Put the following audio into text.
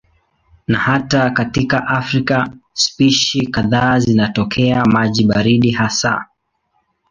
Na hata katika Afrika spishi kadhaa zinatokea maji baridi hasa.